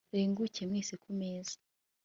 renguke mwese ku meza